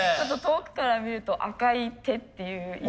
遠くから見ると赤い手っていう。